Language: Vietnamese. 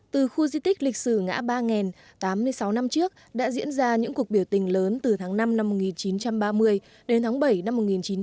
từ khu di tích lịch sử ngã ba nghèn tám mươi sáu năm trước đã diễn ra những cuộc biểu tình lớn từ tháng năm năm một nghìn chín trăm ba mươi đến tháng bảy năm một nghìn chín trăm bảy mươi